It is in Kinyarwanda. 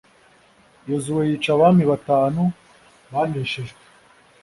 yozuwe yica abami batanu baneshejwe